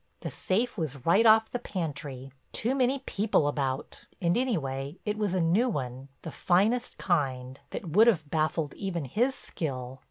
The safe was right off the pantry—too many people about—and anyway it was a new one, the finest kind, that would have baffled even his skill.